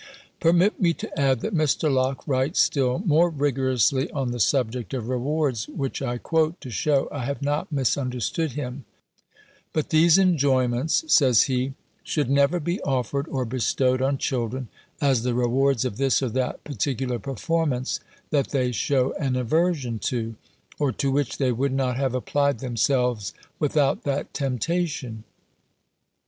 Permit me to add, that Mr. Locke writes still more rigorously on the subject of rewards; which I quote, to shew I have not misunderstood him: "But these enjoyments," says he, "should never be offered or bestowed on children, as the rewards of this or that particular performance that they shew an aversion to, or to which they would not have applied themselves without that temptation."